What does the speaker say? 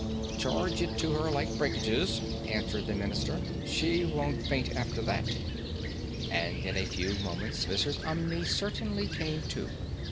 "Charge it to her like breakages," answered the Minister; "she won't faint after that;" and in a few moments Mrs. Umney certainly came to.